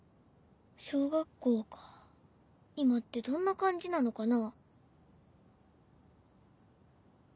小学校か今ってどんな感じなのかな？